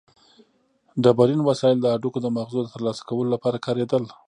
ډبرین وسایل د هډوکو د مغزو د ترلاسه کولو لپاره کارېدل.